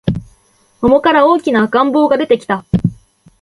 桃から大きな赤ん坊が出てきた